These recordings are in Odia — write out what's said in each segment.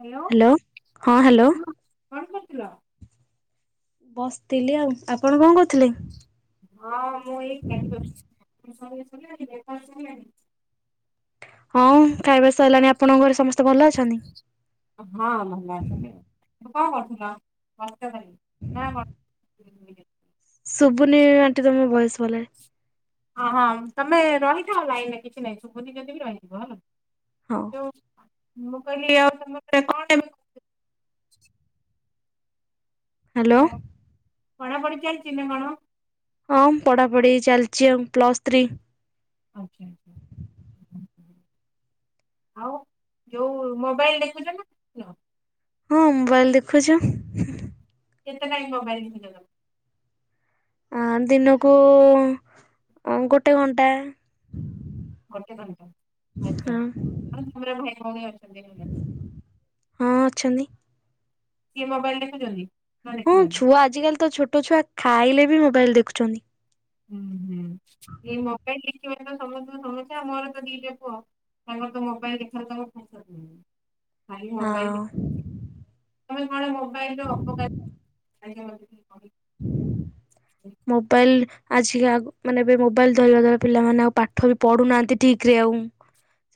ହାଲୋ ହ୍ୟାଲୋ ହଁ କଣ କରୁଥିଲ? ବସିଥିଲି ଆଉ ଆପଣ କଣ କହୁଥିଲେ? ହଁ ମୁଁ ଏଇ ଖାଇଛି ଆଲ ବିଲଣି [unintelligible] ହଁ ଖାଇବା ସରିଲାଣି ଆପଣଙ୍କ ଘରେ ସମସ୍ତେ ଭଲ ଅଛନ୍ତି। ହଁ ଭଲ ଅଛନ୍ତି। କଣ କରୁଥିଲ ମସ୍ତେ [unintelligible] ଶୁଭୁନି ଆଣ୍ଟି ତମ ଭଏସ୍ ଭଲ ଭାବେ। ହଁ ହଁ ତମେ ରହିଥାଅ ଲାଇନ ରେ କିଛି ନାଇଁ ସୁୁବୁନି ଯଦି ବି ରହିଥିବ ହେଲା। ହଉ। ଜଉ ମୁଁ କହିଲି ଆଉ ତମରେ କଣ ଏ? ହ୍ୟାଲୋ ହାଲୋ ପଢ଼ା ପଢ଼ି ଚାଲିଛି ନା କଣ? ହଁ ପଢା ପଢି ଚାଲିଛି ଆଉ ପ୍ଲଲ୍ ଥ୍ରୀ। ଆଜ୍ଞା ଆଜ୍ଞା ହୁଁ ହୁଁ। ଆଉ ଯୋଉ ମୋବାଇଲ ଦେଖୁଛ ନା? ଦେଖୁନ? ହଁ ମୋବାଇଲ ଦେଖୁଛୁ। ଏତେ ଟାଇ ମ ବାଇ? [unintelligible] ଆଁ ଦିନକୁ ଗୋଟେ ଘଣ୍ଟା। ଗୋଟେ ଘଣ୍ଟା ହଁ ଆଛା ଆ ତମର ଭାଇ ଭଉଣ ଅଛନ୍ତି? ହଁ ଅଛନ୍ତି। ସିଏ ମୋବାଇଲ ଦେଖୁଛନ୍ତି? ନା ହଁ ଦେଖୁନାହାନ୍ତି। ଛୁଆ ଆଜିକାଲି ତ ଛୋଟ ଛୁଆ ଖାଇଲେ ବି ମୋବାଇଲ ଦେଖୁଛନ୍ତି। ହୁଁ ହୁଁ ଏଇ ମୋବାଇଲ ଦେଖିବା ତ ସମସ୍ତଙ୍କ ସମସ୍ୟା ମୋର ତ ଦିଟା ପୁଅ ତାଙ୍କର ତ ମୋବାଇଲ ଦେଖାର ତାଙ୍କ ପେଟ ପୁରୁନି। ଖାଲି ମୋବାଇଲ ହଁ ଦେ ତମେ କଣ ମୋବାଇଲ ର ଅବକରିତା। ଧନ୍ୟ ମ [unintelligible] ମୋବାଇଲ ଆଜିକା ମାନେ ଏବେ ମୋବାଇଲ ଧରିବା ଦ୍ଵାରା ପିଲାମାନେ ଆଉ ପାଠବି ପଢୁନାହାନ୍ତି ଠିକରେ ଆଉ।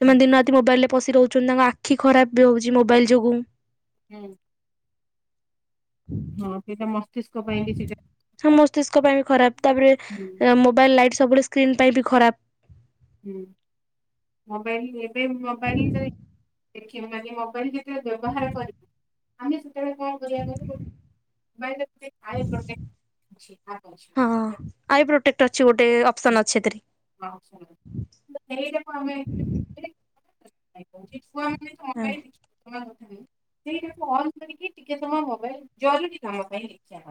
ସେମାନେ ଦିନ ରାତି ମୋବାଇଲ ରେ ପଶି ରହୁଛନ୍ତି ତାଙ୍କ ଆଖି ଖରାପ ବି ହଉଛି ମୋବାଇଲ ଯୋଗୁ। ହୁଁ। ହଁ ସେଇଟା ମସ୍ତିଷ୍କ ପାଇଁ ବି ସେଇଟା ହଁ ମସ୍ତିଷ୍କ ପାଇଁ ବି ଖରାପ ତାପରେ ହୁଁ ମୋବାଇଲ ଲାଇଟ ସବୁବେଳେ ସ୍କ୍ରିନ୍ ପାଇଁ ବି ଖରାପ। ହୁଁ ମୋବାଇଲ ଏବେ ମୋବାଇଲ ଯ ଦେଖିବ ମାନେ ମୋବାଇଲ ବ୍ୟବହାର କରିବା ଆମେ ସେତେବେଳେ କଣ ଛି [inaudible] ହଁ ଆଇ ପ୍ରୋଟେକ୍ଟ ଅଛି ଗୋଟେ ଅପ ହଁ। ମ [inaudible] ଆ୍। ହଁ। ସେଇଟାକୁ ଅନ୍ କରିକି ଟିକେ ସମୟ ମୋବାଇଲ ଜରୁରୀ କାମ ପାଇଁ ଇଚ୍ଛା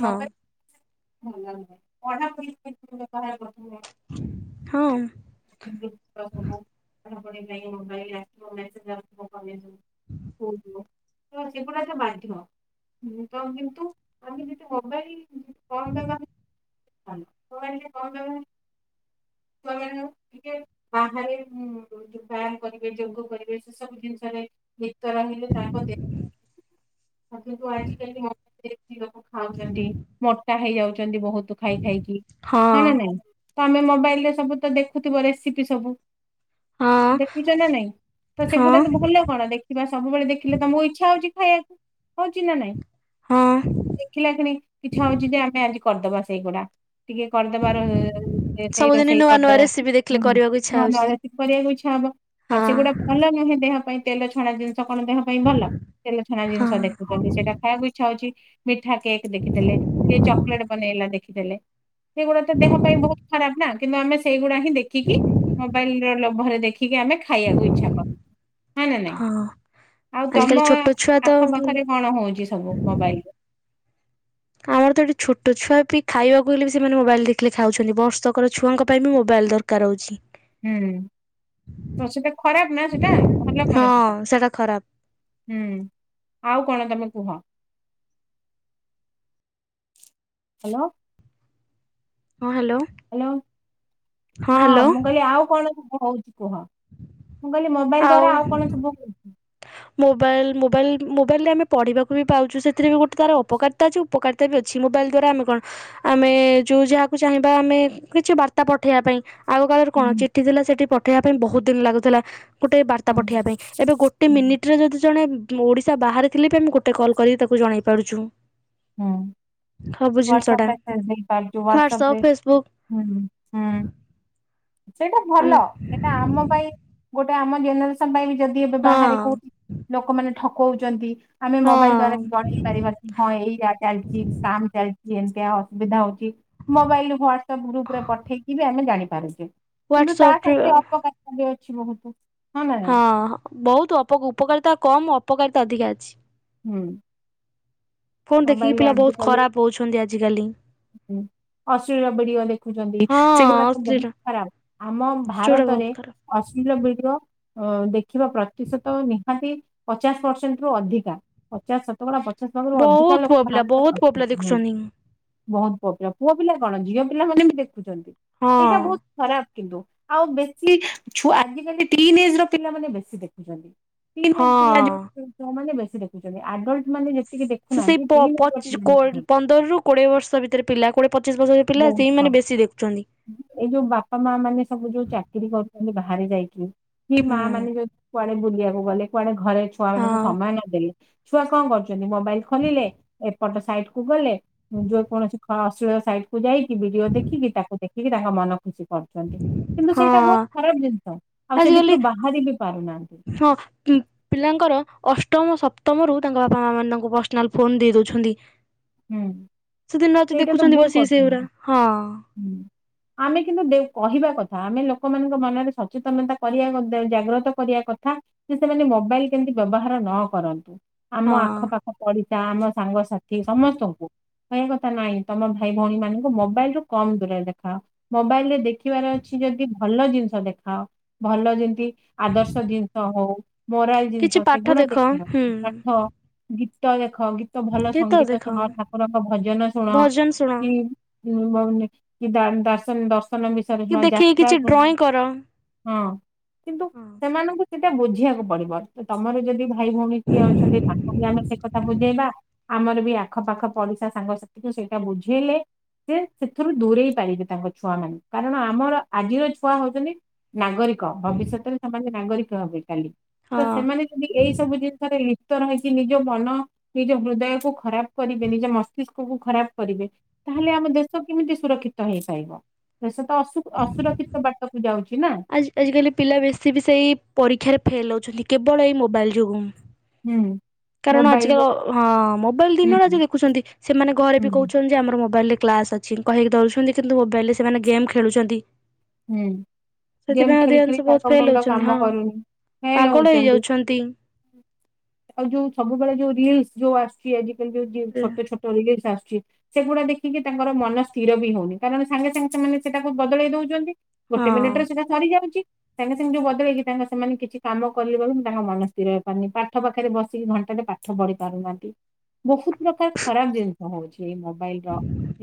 ହଁ ହଁ। ସବୁ ମୋବାଇଲେବୁ [unintelligible] ଓ ହୋ ତ ସେଗଡା ତ ବାଧିବ। ହୁଁ ତ କିନ୍ତୁ ଆମେ ଯଦି ମୋବାଇଲ କମ୍ ବବ ମୋବାଇଲ କମ୍ ବ୍ୟବହାର କରାଯାଉ। ଟିକେ ବାହାରେ ବ୍ୟାୟାମ କରିବେ ଯୋଗ କରିବେ ସେ ସବୁ ଜିନିଷରେ ଭିତରେ ରହିଲେ ତାଙ୍କ ଦେହ ଆ କିନ୍ତୁ ଆଜିିକାଲି ସେ କ୍ଷୀରକୁ ଖାଉଛନ୍ତି ମୋଟା ହେଇଯାଉଛନ୍ତି ବହୁତ ଖାଇ ଖାଇକି। ନା ହଁ। ନାଇଁ ତମେ ମୋବାଇଲ ରେ ସବୁ ତ ଦେଖୁଥିବ ରେସିପି ସବୁ? ହଁ ଦେଖୁଛ ନା ନାଇଁ ତ ହଁ ସେଗୁଡା ତ ଭଲ। କଣ ଦେଖିବା ସବୁବେଳେ ଦେଖିଲେ ତମ ଇଛା ହଉଛି ଖାଇବାକୁ ହଉଛି ନା ନାଇଁ? ହଁ। ଦେଖିଲା ଖିଣି ଇଛା ହଉଛି ଯେ ଆମେ ଆଜି କରିଦବା ସେଇଗୁଡା ଟିକେ କରିଦବାର ସିଏ ସେଇ ସବୁଦିନ ରୋଷେଇ ନୂଆ ନୂଆ କରଦେଲାଣି ରେସିପି ଦେଖିଲେ ହୁଁ ହୁଁ କରିବାକୁ ଇଚ୍ଛା ହଉଛି [inaudible] କରିବାକୁ ଇଛା ହବ ଆଉ ହଁ ସେଗୁଡା ଭଲ ନୁହେଁ ଦେହ ପାଇଁ ତେଲ ଛଣା ଜିନିଷ କଣ ଦେହ ପାଇଁ ଭଲ ତେଲ ଛଣା ହଁ ଜିନିଷ ଦେଖୁଛନ୍ତି ସେଇଟା ଖାଇବାକୁ ଇଚ୍ଛା ହଉଛି। ମିଠା କେକ୍ ଦେଖିଦେଲେ କିଏ ଚକୋଲେଟ ବନେଇଲା ଦେଖିଦେଲେ। ସେଇଗୁଡା ତ ଦେହ ପାଇଁ ବହୁତ ଖରାପ ନା କିନ୍ତୁ ଆମେ ସେଇଗୁଡା ହିଁ ଦେଖିକି ମୋବାଇଲରେ ଲୋଭରେ ଦେଖିକି ଆମେ ଖାଇଆକୁ ଇଚ୍ଛା କରୁ। ହଁ ନା ନାଇଁ ଆଉ ଆଜିକାଲି ତମ ଛୋଟ ଛୁଆ ତ ଆଖପାଖରେ କଣ ହଉଛି ସବୁ ମୋବାଇଲ? ଆମର ତ ଏଠି ଛୋଟ ଛୁଆ ବି ଖାଇବାକୁ ହେଲେ ବି ସେମାନେ ମୋବାଇଲ ଦେଖିଲେ ଖାଉଛନ୍ତି ବର୍ଷକର ଛୁଆଙ୍କ ପାଇଁ ବି ମୋବାଇଲ ଦର କାର ହଉଛି। ହୁଁ ତ ସେଟା ଖରାପ ନା ସେଟା ଭଲ କଣ ହଁ ସେଟା। ସେଇଟା ଖରାପ ହୁଁ ଆଉ କଣ ତମେ କୁହ? ହ୍ୟାଲୋ। ହଁ ହ୍ୟାଲୋ। ହ୍ୟାଲୋ ହଁ ମୁଁ କହିଲି ଆଉ କଣ ସବୁ ହଉଛି କୁହ? ମୁଁ କହିଲି ମୋବାଇଲ୍ ଦ୍ଵାରା ଆଉ କଣ ସବୁ ହଉଛି ମୋବାଇଲ ମୋବାଇଲ ମୋବାଇଲ ରେ ଆମେ ପଢିବାକୁ ବି ପାଉଛୁ ସେଥିରେ ବି ଗୋଟେ ତାର ଅପକାରିତା ଅଛି ଉପକାରତା ତା ବି ଅଛି ମୋବାଇଲ୍ ଦ୍ୱାରା ଆମେ କଣ, ଆମେ ଯୋଉ ଯାହାକୁ ଚାହିଁବା, ଆମେ କିଛି ବାର୍ତ୍ତା ପଠେଇବା ପାଇଁ। ଆଗ କାଳରେ ହୁଁ କଣ ଚିଠି ଥିଲା, ସେଠି ପଠେଇବା ପାଇଁ ବହୁତ ଦିନ ଲାଗୁଥିଲା ଗୋଟେ ବାର୍ତ୍ତା ହୁଁ ପଠେଇବା ପାଇଁ। ଏବେ ଗୋ ଟେ ହୁଁ ମିନିଟରେ ଯଦି ଜଣେ ଓଡିଶା ବାହାରେ ଥିଲେ ବି ଆମେ ଗୋଟେ କଲ୍ କରିକି ତାକୁ ଜଣେଇ ପାରୁଛୁ। ହୁଁ, ସବୁ ହ୍ୱାଟ୍ସସପ ଜିନିଷଟା ମେସେଜ ଦେଇପାରୁଛୁ, ହ୍ୱାଟ୍ସସପ ହ୍ୱାଟ୍ସଆପ୍ ରେ ଫେସବୁକ୍ ହୁଁ ହୁ। ସେଇଟା ହଁ ଭଲ ସେଇଟା ଆମ ପାଇଁ ଗୋଟେ ଆମ ଜେନେରେସନ ପାଇଁ ଯଦି ଏବେ ବାହାରେ କୋଉ ଲୋକମାନେ ଠକଉଛନ୍ତି। ଆମେ ହଁ ମୋବାଇଲ ଦ୍ଵାରା ଜଣେଇ ପାରିବା କି ହଁ ଏଇଟା ଚାଲିଛି ସ୍କାମ୍ ଚାଲିଛି। ଯେମତିଆ ଅସୁବିଧା ହଉଛି ମୋବାଇଲ ହ୍ୱାଟସଆପ୍ ଗ୍ରୁପ ରେ ପଠେଇକି ବି ଆମେ ଜାଣିପାରୁଛେ। କିନ୍ତୁ ତା ହ୍ୱାଟ୍ସଆପ୍ରେ ସାଙ୍ଗରେ ଅପକାରିତା ବି ଅଛି ବହୁତ। ନା ନାଇଁ ହଁ ବହୁତ ଅପ-ଉପକାରିତା କମ୍ ଅପକାରିତା ଅଧିକା ଅଛି। ହୁଁ, ଫୋନ୍ ଦେଖିକି ମୋବାଇଲରେ ପିଲା ବହୁତ ଆଜିକାଲି ଖରାପ ହଉଛନ୍ତି ଆଜିକାଲି। ହୁଁ, ଅଶ୍ଳୀଳ ଭିଡିଓ ଦେଖୁଛନ୍ତି, ହଁ ସେଗୁଡା ଅଶ୍ଳୀଳ ବହୁତ ଖରାପ ଆମ ଯୋଉଟା ବହୁତ ଭାରତରେ, ଖରାପ। ଅଶ୍ଲୀଳ ଭିଡିଓ, ଅ ଦେଖିବା ପ୍ରତିଶତ ନିହାତି ପଚାଶ ପରସେଣ୍ଟ ରୁ ଅଧିକା। ପଚାଶ ଶତକଡା ପଚାଶ ଭାଗରୁ ଅଧିକା ବହୁତ ଲୋକ ପୁଅ ପିଲା ଭାରତରେ ବହୁତ ପୁଅ ପିଲା ଅଧିକା ଦେଖୁଛନ୍ତି ବହୁତ। ପୁଅ ପିଲା, ପୁଅ ପିଲା କଣ ଝିଅ ପିଲାମାନେ ବି ଦେଖୁଛନ୍ତି। ହଁ ଏଇଟା ବହୁତ ଖରାପ। କିନ୍ତୁ ଆଉ ବେଶୀ ଛୁଆ-ଆଜିକାଲି ଟିନ ଏଜ ର ପିଲାମାନେ ବେଶୀ ଦେଖୁଛନ୍ତି। ଟିନ୍ ଏଜ ହଁ। ପିଲା ଯୋଉ ଛୁଆମାନେ ବେଶୀ ଦେଖୁଛନ୍ତି। ଏଡଲ୍ଟ ମାନେ ଯେତିକି ସେ-ସେଇ ଦେଖୁନାହାନ୍ତି ଟିନ୍ ଏଜ ର ପ-ପଚିଶ ପିଲାମାନେ କୋ-ପନ୍ଦରରୁ କୋଡିଏ ବର୍ଷ ଭିତରେ ପିଲା କୋଡିଏ ପଚିଶ ବର୍ଷ ପିଲା, ବହୁତ ହଁ ସେଇମାନେ ବେଶୀ ଦେଖୁଛନ୍ତି। ଏଇ ଯୋଉ ବାପା ମା ମାନେ ସବୁ ଯୋଉ ଚାକିରି କରୁଛନ୍ତି। ବାହାରେ ଯାଇକି ସେ ମା ହୁଁ। ମାନେ ଯୋଉ, କୁଆଡେ ବୁଲିବାକୁ ଗଲେ, କୁଆଡେ ଘରେ ହଁ ଛୁଆନଙ୍କୁ ସମୟ ନଦେଲେ ଛୁଆ କଣ କରୁ ମୋବାଇଲ ଖୋଲିଲେ, ଏପଟ ସାଇଟ କୁ ଗଲେ। ଯୋଉ କୌଣସି ଅଶ୍ଳୀଳ ସାଇଟ କୁ ଯାଇକି, ଭିଡିଓ ଦେଖିକି ତାକୁ ଦେଖିକି ତାଙ୍କ ମନ ଖୁସି ପଡେ। କିନ୍ତୁ ସେଇଟା ହଁ ବହୁତ ଖରାପ ଜିନିଷ, ଆଉ ସେ ଆଜିକାଲି ଭିତରୁ ବାହାରି ବି ପାରୁନାହାନ୍ତି। ହଁ, କି? ପିଲାଙ୍କର ଅଷ୍ଟମ ସପ୍ତମ ରୁ ତାଙ୍କ ବାପା ମା ମାନେ ତାଙ୍କୁ ପର୍ସନାଲ ଫୋନ ଦେଇ ଦଉଛନ୍ତି। ହୁଁ ସେ ଦିନ ରାତି ସେଇଟା ତ ଦେଖୁଛନ୍ତି ଭୁଲ ବସିକି ସେ କରୁଛନ୍ତି ଗୁଡ଼ା। ହଁ ହୁଁ। ଆମେ କିନ୍ତୁ [unintelligible] କହିବା କଥା ଆମେ ଲୋକମାନଙ୍କ ମନରେ ସଚେତନତା କରିବା ଗୋଟେ ଜାଗ୍ରତ। କରିବା କଥା, ଯେ ସେମାନେ ମୋବାଇଲ କେମତି ବ୍ୟବହାର ନ କରନ୍ତୁ। ଆମ ହଁ। ଆଖପାଖ ପଡିସା ଆମ ସାଙ୍ଗସାଥି ସମସ୍ତଙ୍କୁ। ସେଇ କଥା ନାଇଁ ତମ ଭାଇ ଭଉଣୀ ମାନଙ୍କୁ ମୋବାଇଲ ରୁ କମ୍ ଦୂରରେ ଦେଖାଅ। ମୋବାଇଲ ରେ ଦେଖିବାର ଅଛି ଯଦି ଭଲ ଜିନିଷ ଦେଖାଅ। ଭଲ ଯେଦି, ଆଦର୍ଶ ଜିନିଷ ହଉ, ମରାଲ କିଛି ଜିନିଷ ପାଠ ସେଗୁଡା ଦେଖ ଦେଖିବା। ହୁଁ ପାଠ, ଗୀତ ଦେଖ ଗୀତ ଭଲ ଗୀତ ସଙ୍ଗୀତ ଦେଖ ଶୁଣ ଠାକୁରଙ୍କ ଭଜନ ଶୁଣ। ଭଜନ ଶୁଣ କି କି ଦର୍ଶନ ଦର୍ଶନ ବିଷୟରେ କି ଶୁଣ ଦେଖିକି ଯାତ୍ରା କିଛି କଣ? ଡ୍ରଇଂ କର ହଁ ହଁ କିନ୍ତୁ ସେମାନଙ୍କୁ ସେଟା ବୁଝିବାକୁ ପଡିବ। ତମର ଯଦି, ଭାଇ ଭଉଣୀ କିଏ ଅଛନ୍ତି, ତାଙ୍କୁ ବି ଆମେ ସେ କଥା ବୁଝେଇବା। ଆମର ବି, ଆଖ ପାଖ ପଡିଶା ସାଙ୍ଗସାଥି ସେଇଟା ବୁଝେଇଲେ ସେ ସେଥିରୁ ଦୂରେଇ ପାରିବେ, ତାଙ୍କ ଛୁଆ ମାନେ କାରଣ ଆମର ଆଜିର ଛୁଆ ହଉଛନ୍ତି ନାଗରିକ ଭବିଷ୍ୟତରେ ସମମାନେ ନାଗରିକ ହବେ କାଲି, ତ ହଁ ସେମାନେ ଯଦି ଏଇ ସବୁ ଜିନିଷରେ [unintelligible] ରହିଛି ନିଜ ମନ ନିଜ ହୃଦୟକୁ ଖରାପ କରିବେ ନିଜ ମସ୍ତିଷ୍କକୁୁ ଖରାପ କରିବେ, ତାହେଲେ ଆମ ଦେଶ କେମିତି ସୁରକ୍ଷିତ ହେଇପାରିବ ସେ ତ ଅସୁରକ୍ଷିତ ବାଟକୁ ଯାଉଛି ନା। ଆଜି ଆଜିକାଲି ପିଲା ବେଶୀ ବି ସେଇ ପରୀକ୍ଷାରେ ଫେଲ୍ ହେଉଛନ୍ତି କେବଳ ଏଇ ମୋବାଇଲ୍ ଯୋଗୁଁଁ। ହୁଁ କାରଣ ଆଜିର ମୋବାଇଲରେ ହଁ ମୋବାଇଲ ହୁଁ ଦିନ ରାତି ଦେଖୁଛନ୍ତି ସେମାନେ ଘରେ ବି ହୁଁ କହୁଛନ୍ତି ଆମର ମୋବାଇଲ ରେ କ୍ଲାସ ଅଛି କହିକି ଦରୁଉଛନ୍ତି କିନ୍ତୁ ମୋବାଇଲ ରେ ସେମାନେ ଗେମ୍ ଖେଳୁଛନ୍ତି। ହୁଁ। ଗେମ୍ ସେଥିପାଇଁ ଖେଳି ଅଧିକାଂଶ ଖେଳି ବହୁତ ତାଙ୍କ ଫେଲ୍ ମୁଣ୍ଡ ହଉଛନ୍ତି କାମ ହଁ କରୁନି ଫେଲ୍ ପାଗଳ ହଉଛନ୍ତି। ହେଇଯାଉଛନ୍ତି ଆଉ ଯୋଉ ସବୁବେଳେ ଯୋଉ ରିଲସ ଯୋଉ ଆସୁଛି ଆଜିିକାଲି ଯୋଉ ହଁ ଛୋଟ ଛୋଟ [unintelligible] ସେଗୁଡା ଦେଖିକି ତାଙ୍କର ମନ ସ୍ଥିର ବି ହଉନି କାରଣ ସାଙ୍ଗେ ସାଙ୍ଗେ ସେମାନେ ସେଟାକୁ ବଦଳେଇ ଦଉଛନ୍ତି ଗୋଟେ ମିନିଟ ରେ ସେଟା ସରି ଯାଉଛି। ସାଙ୍ଗେ ସାଙ୍ଗେ ଯୋଉ ବଦଳେଇକି ତାଙ୍କେ ସେମାନେ କିଛି କାମ କଲେ ବେଳ ମୁଁ ତାଙ୍କ ମନ ସ୍ଥିର ହେଇପାରନି ପାଠ ପାଖରେ ବସିକି ଘଣ୍ଟାରେ ପା ଠ ବଢି ପାରୁନାହାନ୍ତି। ବହୁତ ପ୍ରକାର ଖରାପ ଜିନିଷ ହଉଛି ଏଇ ମୋବାଇଲ ର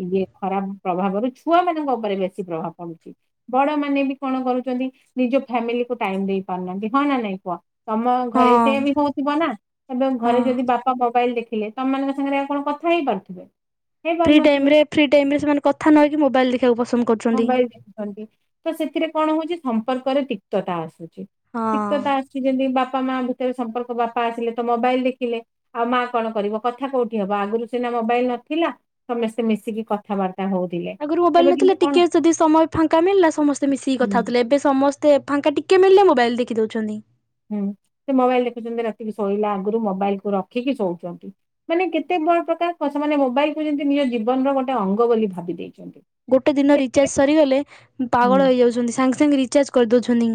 ଇଏ ଖରାପ ପ୍ରଭାବ ର ଛୁଆ ମାନଙ୍କ ଉପରେ ବେଶୀ ପ୍ରଭାବ ପଡୁଛି। ବଡ ମାନେ ବି କଣ କରୁଛନ୍ତି ନିଜ ଫ୍ୟାମିଲିକୁ ଟାଇମ ଦେଇ ପାରୁନାହାନ୍ତି ହଁ ନା ନାଇଁ କୁହ? ତମ ହଁ ଘରେ ସେ ବି ହଉଥିବ ନା ଏବେ ହଁ ଘରେ ଯଦି ବା ମୋବାଇଲ ଦେଖିଲେ ତମମାନଙ୍କ ସାଙ୍ଗରେ ଆଉ କଣ କଥା ହେଇ ପାରୁଥିବେ? ହେଇ ଫ୍ରି ପାରୁନଥିବେ। ଟାଇମରେ ଫ୍ରି ଟାଇମ ରେ ସେମାନେ କଥା ନହେକି ମୋବାଇଲ ଦେଖିବାକୁ ପସନ୍ଦ କରୁଛନ୍ତି। ମୋବାଇଲ ତ ସେଥିରେ କଣ ହଉଛି ସମ୍ପର୍କରେ ତିକ୍ତତା ଆସୁଛି ହଁ ତିକ୍ତତା ସେ ଯେମିତି ବାପା ମା ଭିତରେ ସମ୍ପର୍କ ବାପା ଆସିଲେ ତ ମୋବାଇଲ ଦେଖିଲେ ଆଉ ମା କଣ କରିବ କଥା କୋଉଠି ହବ ଆଗରୁ ସିନା ମୋବାଇଲ ନଥିଲା ସମସ୍ତେ ମିଶିକି କଥାବାର୍ତ୍ତା ହଉଛି ଆଗରୁ ମୋବାଇଲ ନଥିଲା ଟିକେ ଯଦି ସମୟ ଫାଙ୍କା ମିଳିଲା ସମସ୍ତେ ମିଶିକି ହୁଁ କଥା ହଉଥିଲେ ଏବେ ସମସ୍ତେ ଫାଙ୍କା ଟିକେ ମିଳିଲେ ମୋବାଇଲ ଦେଖିଦଉଛନ୍ତି। ହୁଁ ସେ ମୋବାଇଲ ଦେଖୁଛନ୍ତି ରାତିକ ଶୋଇଲା ଆଗରୁ ମୋବାଇଲ କୁ ରଖିକି ଶୋଉଛନ୍ତି। ମାନେ କେତେ ବଡ ପ୍ରକାର ସେମାନେ ମୋବାଇଲ କୁ ଯେମିତି ନିଜ ଜୀବନର ଗୋଟେ ଅଙ୍ଗ ବୋଲି ଭାବି ଦେଇଛନ୍ତି। ଗୋଟେ ଦିନ ଏତେ ରିଚାର୍ଜ ସରିଗଲେ ହୁଁ ପାଗଳ ହେଇଯାଉଛନ୍ତି। ସାଙ୍ଗେ ସାଙ୍ଗେ ରିଚାର୍ଜ କରିଦଉଛନ୍ତି।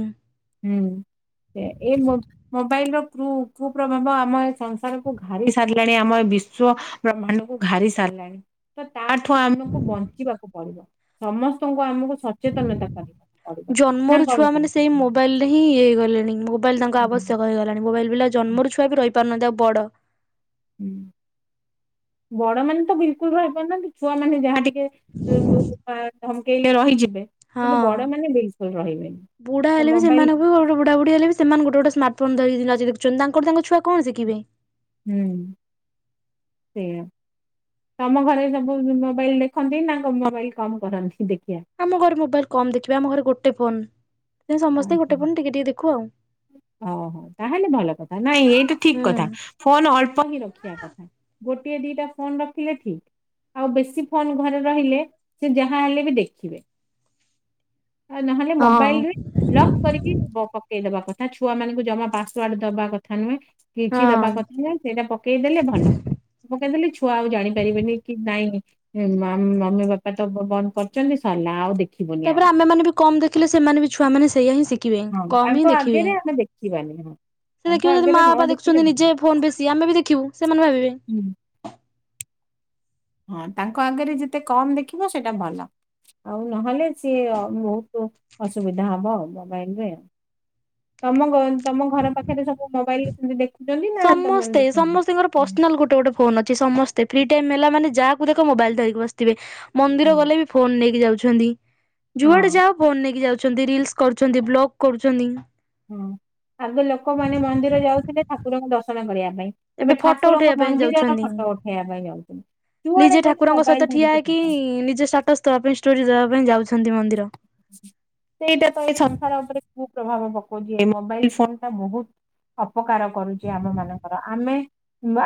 ହୁଁ ସେ ଏ ମୁ ମୋବାଇଲ ର କୁ କୁପ୍ରଭାବ ଆମ ଏ ସଂସାରକୁ ଘାରି ସାରିଲାଣି ଆମ ଏ ବିଶ୍ଵ ବ୍ରହ୍ଣଙ୍କୁ ଘାରି ସାରିଲାଣି। ତ ତାଠୁ ଆମକୁ ବଞ୍ଚିବାକୁ ପଡିବ ସମସ୍ତଙ୍କୁ ଆମକୁ ସଚେତନତା କରିବାକୁ ପଡିବ। ନା କଣ କୁହ? ହିଁଇଗଲେଣି ମୋବାଇଲ ତାଙ୍କ ଆବଶ୍ୟକ ହେଇଗଲାଣି। ମୋବାଇଲ ବିଲା ଜନ୍ମର ଛୁଆ ବି ରହିପାରୁନାହାନ୍ତି ଆଉ ବଡ। ହୁଁ ବଡ ମାନେ ତ ବିଲକୁଲ ରହିପାରୁନାହାନ୍ତି ଛୁଆ ମାନେ ଯାହା ଟିକେ ଟେ ଧମକେଇଲେ ରହିଯିବେ। ହଁ। କିନ୍ତୁ ବଡ ମାନେ ବିଲକୁଲ ରହିବେନି ବୁଢା ତ ହେଲେ ବି ମୋବାଇଲ ସେମାନଙ୍କୁ [unintelligible] ହେଲେ ବି ସେମାନେ ଗୋଟେ ଗୋଟ ସ୍ମାର୍ଟଫୋନ ଧରିଖୁଛନ୍ତି ତାଙ୍କର ତା ଛୁଆ କଣ ଶିଖିବେ। ହୁଁ ସେଇଆ। ତମ ଘରେ ସବୁ ମୋବାଇଲ ଦେଖନ୍ତି ନା ମୋବାଇଲ କମ କରନ୍ତି ଦେଖିବା? ଆମ ଘରେ ମୋବାଇଲ କମ ଦେଖିବା ଆମ ଘରେ ଗୋଟେ ଫୋନ। ସମସ୍ତେ ଗୋଟେ ଫୋନ ଟିକେ ଟିକେ ଦେଖୁ ଆଉ। ଓହୋ ତାହେଲେ ଭଲ କଥା ନାଇଁ ଏଇଟା ଠିକ ହୁଁ କଥା ଫୋନ ଅଳ୍ପ ହିଁ ରଖିବା କଥା। ଗୋଟିଏ ଦିଟା ଫୋନ ରଖିଲେ ଠିକ। ଆଉ ବେଶୀ ଫୋନ୍ ଘରେ ରହିଲେ ସେ ଯାହା ହେଲେ ବି ଦେଖିବେ। ଆ ନହେଲେ ହଁ ମୋବାଇଲ ରେ ଲକ୍ କରିକି ପ-ପକେଇଦବା କଥା, ଛୁଆ ମାନଙ୍କୁ ଜମା ପାସୱାର୍ଡ ଦବା କଥା ନୁହେଁ। କିଛି ଦବା ହଁ। କଥା ନାଇ ସେଇଟା ପକେଇଦେଲେ ଭଲ। ପକେଇଦେଲେ ଛୁଆ ଆଉ ଜାଣିପାରିବେନି କି ନାଇଁ ହୁ ମାମ-ମମି ବାପା ତ ବନ୍ଦ କରୁଛନ୍ତି ସରିଲା ଆଉ ଦେଖ ତାପରେ ଆମେମାନେ ବି କମ ଦେଖିଲେ ସେମାନେ ବି ଛୁଆମାନେ ସେଇଆ ହିଁ ଶିଖିବେ, କମ ହିଁ ଦେଖିବେ। ଥିବାନି ହଁ। ସେ ତାଙ୍କ ଦେଖିବେ ଯଦି ଆଗରେ ମା ନ ବାପା ଦେଖିଲେ ଦେଖୁଛନ୍ତି ଭଲ। ନିଜେ ଫୋନ ବେଶି ଆମେ ବି ଦେଖିବୁ ସେମାନେ ଭାବିବେ। ହୁଁ ହଁ ତାଙ୍କ ଆଗରେ ଯେତେ କମ ଦେଖିବ ସେଇଟା ଭଲ। ଆଉ ନହେଲେ ସିଏ ବହୁତ ଅସୁବିଧା ହବ ମୋବାଇଲରେ। ତମ ଗ ତମ ଘର ପାଖରେ ସବୁ ମୋବାଇଲ ସେତି ଦେଖିଛନ୍ତିି। ସମସ୍ତେ ସମସ୍ତଙ୍କର ପର୍ସନାଲ ଗୋଟେ ଗୋଟେ ଫୋନ ଅଛି ସମସ୍ତେ ଫ୍ରି ଟାଇମ ହେଲା ମାନେ ଯାହାକୁ ଦେଖ ମୋବାଇଲ ଧରିକି ବସିଥିବେ। ମନ୍ଦିର ହୁଁ, ଗଲେ ବି ଫୋନ ନେଇକି ଯାଉଛନ୍ତି। ଯୁଆଡେ ହଁ ଯାଅ ଫୋନ ନେଇକି ଯାଉଛନ୍ତି ରିଲସ କରୁଛନ୍ତି, ବ୍ଲଗ କରୁଛନ୍ତି ହଁ ଆଗ ଲୋକମାନେ ମନ୍ଦିର ଯାଉଥିଲେ ଠାକୁରଙ୍କ ଦର୍ଶନ କରିବା ପାଇଁ ଏବେ ଫଟୋ ଉଠେଇବା ଠାକୁରଙ୍କ ପାଇଁ ମନ୍ଦିରର ଯାଉଛନ୍ତି। ଫଟୋ ଉଠେଇବା ପାଇଁ ଯାଉଛନ୍ତି। ଯୁଆଡେ ନିଜେ ଗଲେ ଠାକୁରଙ୍କ ମୋବାଇଲ ସହିତ ଠିଆ ଧରିକି ହେଇକି ଫଟୋ। ନିଜେ ଷ୍ଟାଟସ ଦେବା ପାଇଁ ଷ୍ଟୋରି ଦେବା ପାଇଁ ଯାଉଛନ୍ତି ମନ୍ଦିର। ସେଇଟା ତ ଏଇ ସଂସାର ଉପରେ କୁ ପ୍ରଭାବ ପକଉଛି ଏଇ ମୋବାଇଲ ଫୋନ୍ ଟା ବହୁତ ଅପକାର କରୁଛି ଆମ ମାନଙ୍କର ଆମେ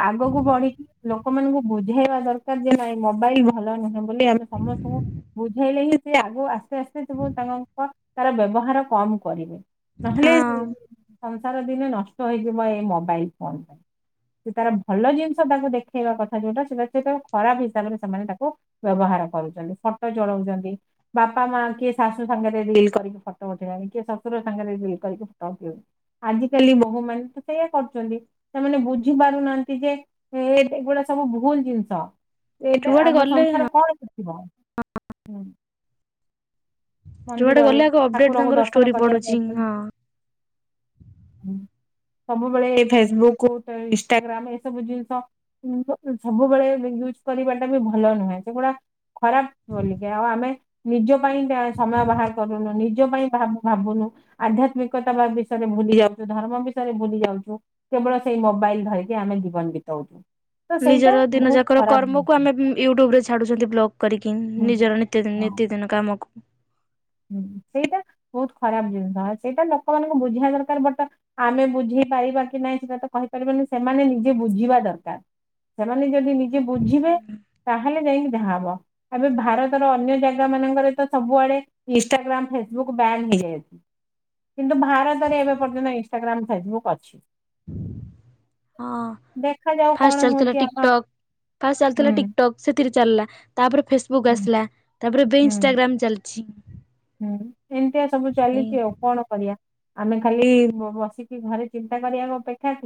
ଆଗକୁ ବଢିକି ଲୋକମାନଙ୍କୁ ବୁଝେଇବା ଦରକାର ଯେ ନାଇଁ ମୋବାଇଲ ଭଲ ନୁହେଁ ବୋଲି ଆମେ ସମସ୍ତଙ୍କୁ ବୁଝେଇଲେ ହିଁ ସେ ଆଗ ଆସ ଆସ୍ତେ ଆସ୍ତେ ସବୁ ତାଙ୍କ ଙ୍କ ତାର ବ୍ୟବହାର କମ କରିବେ, ହଁ ନହେଲେ ସଂସାର ଦିନେ ନଷ୍ଟ ହେଇଯିବ ଏଇ ମୋବାଇଲ ଫୋନ ପାଇଁ। ସେ ତାର ଭଲ ଜିନିଷ ତାକୁ ଦେଖେଇବା କଥା ଯୋଉଟା ସେଇଟା ସେଟ ଖରାପ ହିସାବରେ ସେମାନେ ତାକୁ ବ୍ୟବହାର କରୁଛନ୍ତି। ଫଟୋ ଚଳଉଛନ୍ତି ବାପା, ମା କିଏ ଶାଶୁ ସାଙ୍ଗରେ ରିଲ କରିକି ଫଟୋ ଉଠେଇଲାଣି କିଏ ଶଶୁର ସାଙ୍ଗରେ ରିଲ କରିକି ଫଟୋ ଉଠେଇଲାଣି। ଆଜିକାଲି ବୋହୂମାନେ ତ ସେଇଆ କରୁଛନ୍ତି, ସେମାନେ ବୁଝି ପାରୁନାହାନ୍ତି ଯେ ଇଏ ଏଗୁଡା ସବୁ ଭୁଲ ଜିନିଷ। ଏଇଟା ଯୁଆଡେ ଆମ ଗଲେ ହଁ ସଂସାର କଣ ଶିଖିବ। ହୁଁ ଯୁଆଡେ ମନ୍ଦିରରେ ଗଲେ ଆଗ ଅପଡେଟ ଠାକୁରଙ୍କୁ ତାଙ୍କର ଦର୍ଶନ ଷ୍ଟୋରି କରିବାକୁ ପଡୁଛି ହଁ। ଯାଉଛନ୍ତି। ସବୁବେଳେ ଫେସବୁକ୍, ଇନଷ୍ଟାଗ୍ରାମ ଏସବୁ ଜିନିଷ ସବୁବେଳେ ବି ୟୁଜ କରିବାଟା ବି ଭଲ ନୁହେଁ। ସେଗୁଡା ଖରାପ ବୋଲିକା ଆଉ ଆମେ ନିଜ ପାଇଁକା ସମୟ ବାହାର କରୁନୁ ନିଜ ପାଇଁ ଭା-ଭାବୁନୁ ଆଧ୍ୟାତ୍ମିକତା ବା ବିଷୟରେ ଭୁଲି ଯାଉଛୁ ଧର୍ମ ବିଷୟରେ ଭୁଲି ଯାଉଛୁ। କେବଳ ସେଇ ମୋବାଇଲ ଧରିକି ଆମେ ଜୀବନ ବିତଉଛୁ। ତ ସେଇଟା ନିଜର ଦିନ ବହୁତ ଯାକର ଖରାପ କର୍ମକୁ ଆମେ ମ୍ ୟୁଟ୍ୟୁବରେ ଛାଡୁଛନ୍ତି ବ୍ଲଗ କରିକି ହୁଁ ନିଜର ନିତ୍ୟଦିନ ହଁ। ନି ତି ଦିନ କାମକୁ। ହୁଁ ସେଇଟା ବହୁତ ଖରାପ ଜିନିଷ, ସେଇଟା ଲୋକମାନଙ୍କୁ ବୁଝିବା ଦରକାର ବଟ ଆମେ ବୁଝେଇ ପାରିବା କି ନାଇଁ ସେଟା ତ କହିପାରିବନି ସେମାନେ ନିଜେ ବୁଝିବା ଦରକାର। ସେମାନେ ଯଦି ନିଜେ ବୁଝିବେ, ତାହେଲେ ଯାଇକି ଯାହା ହବ। ଏବେ ଭାରତର ଅନ୍ୟ ଜାଗା ମାନଙ୍କରେ ତ ସବୁଆଡେ ଇନଷ୍ଟାଗ୍ରାମ, ଫେସବୁକ୍ ବ୍ୟାନ୍ ହେଇଯାଇଛି। କିନ୍ତୁ ଭାରତରେ ଏବେ ପର୍ଯ୍ୟନ୍ତ ଇନଷ୍ଟାଗ୍ରାମ, ଫେସବୁକ୍ ଅଛି। ହଁ ଦେଖାଯାଉ ଫାଷ୍ଟ କଣ ଚାଲିଥିଲା ହଉଛି ଆମ ଟିକଟକ୍ ଫାଷ୍ଟ ହୁଁ ଚାଲିଥିଲା ଟିକଟକ୍ ସେଥିରେ ଚାଲିଲା ତାପରେ ଫେସବୁକ୍ ହୁଁ ଆସିଲା ତାପରେ ଏବେ ହୁଁ ଇନସଟାଗ୍ରାମ ଚାଲିଛି। ହୁଁ ଏମତିଆ ସବୁ ଚାଲିଛି ଆଉ କଣ କରିବା ଆମେ ଖାଲି ବସିକି ଘରେ ଚିନ୍ତା କରିବା ଅପେକ୍ଷା